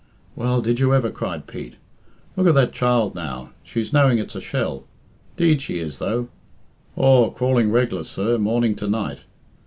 "Well, did you ever?" cried Pete. "Look at that child now. She's knowing it's a shell. 'Deed she is, though. Aw, crawling reg'lar, sir, morning to night.